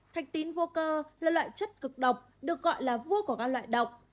thạch tín vô cơ là loại chất cực độc được gọi là vua của các loại độc